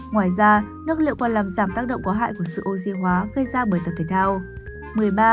ngoài ra năng liệu còn làm giảm tác động có hại của sự oxy hóa gây ra bởi tập thể thao